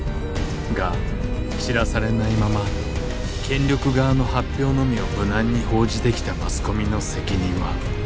が知らされないまま権力側の発表のみを無難に報じてきたマスコミの責任は？